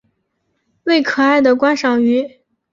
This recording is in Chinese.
为可爱的观赏鱼。